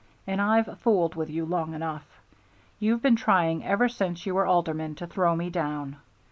And I've fooled with you long enough. You've been trying ever since you were alderman to throw me down.